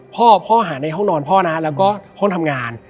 พ่อพ่อหาในห้องนอนพ่อนะแล้วก็ห้องทำงาน